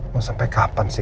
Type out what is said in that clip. mau sampai kapan sih